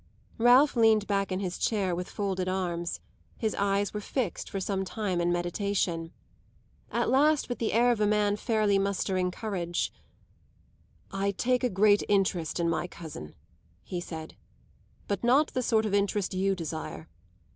Ralph leaned back in his chair with folded arms; his eyes were fixed for some time in meditation. At last, with the air of a man fairly mustering courage, "I take a great interest in my cousin," he said, "but not the sort of interest you desire.